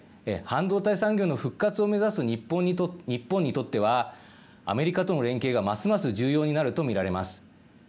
半導体産業の復活を目指す日本にとってはアメリカとの連携がますます重要になると見られます。